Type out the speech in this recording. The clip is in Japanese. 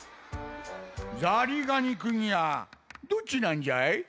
ザリガニくんやどっちなんじゃ？